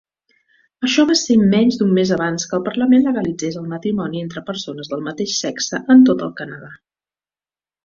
Això va ser menys d'un mes abans que el Parlament legalitzés el matrimoni entre persones del mateix sexe en tot el Canadà.